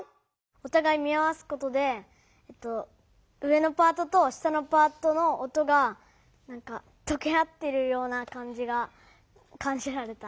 おたがい見合わすことで上のパートと下のパートの音がとけ合っているようなかんじがかんじられた。